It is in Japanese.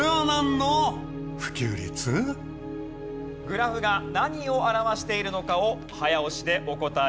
グラフが何を表しているのかを早押しでお答え頂きます。